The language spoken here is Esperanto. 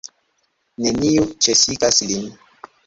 Neniu ĉesigas lin.